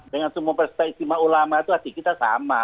dengan semua perspektif ulama itu hati kita sama